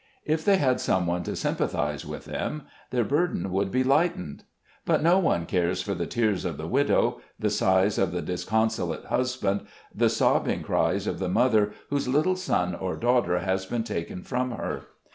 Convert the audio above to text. If they had some one to sympathize with them, their burden would be light, ened ; but no one cares for the tears of the widow, the sighs of the disconsolate husband, the sobbing cries of the mother, whose little son or daughter has been taken from her.